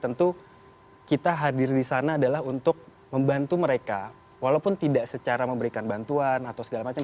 tentu kita hadir di sana adalah untuk membantu mereka walaupun tidak secara memberikan bantuan atau segala macam